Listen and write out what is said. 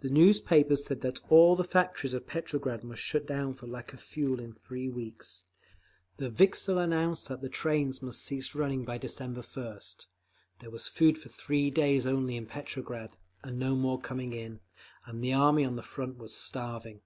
The newspapers said that all the factories of Petrograd must shut down for lack of fuel in three weeks; the Vikzhel announced that trains must cease running by December first; there was food for three days only in Petrograd, and no more coming in; and the Army on the Front was starving….